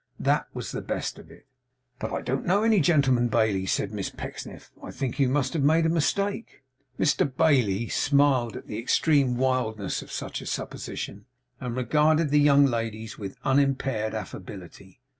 That was the best of it! 'But I don't know any gentlemen, Bailey,' said Miss Pecksniff. 'I think you must have made a mistake.' Mr Bailey smiled at the extreme wildness of such a supposition, and regarded the young ladies with unimpaired affability.